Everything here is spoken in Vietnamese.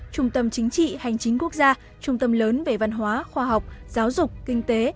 trung tâm chính trị hành chính quốc gia trung tâm lớn về văn hóa khoa học giáo dục kinh tế